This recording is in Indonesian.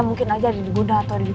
mungkin aja ada di guna atau di toilet